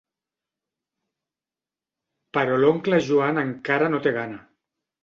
Però l'oncle Joan encara no té gana.